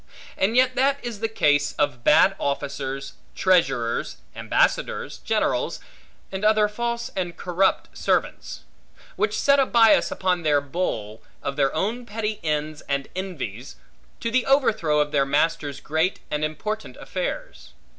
And yet that is the case of bad officers, treasurers, ambassadors, generals, and other false and corrupt servants; which set a bias upon their bowl, of their own petty ends and envies, to the overthrow of their master's great and important affairs.